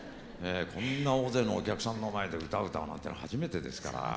こんな大勢のお客さんの前で歌歌うなんていうのは初めてですから。